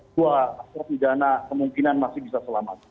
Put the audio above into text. dua terpidana kemungkinan masih bisa selamat